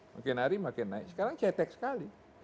makin hari makin naik sekarang cetek sekali